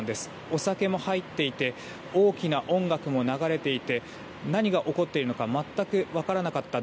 お酒も入っていて大きな音楽も流れていて何が起こっているのか全く分からなかった。